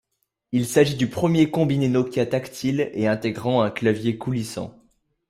Il s'agit du premier combiné Nokia tactile et intégrant un clavier coulissant.